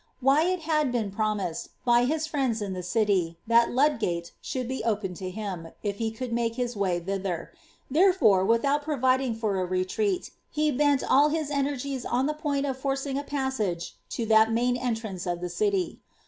Wyatt had been promised, by his friends in the city, tliat Ludgate should be opened to him, if he could make his way thither ; therefore, Without providing for a retreat, he bent all his energies on the point of forcing a passage to that main entrance of the city.